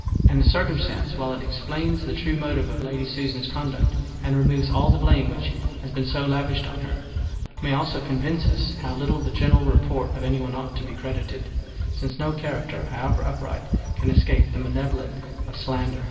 And this circumstance, while it explains the true motives of Lady Susan's conduct, and removes all the blame which has been so lavished on her, may also convince us how little the general report of anyone ought to be credited; since no character, however upright, can escape the malevolence of slander.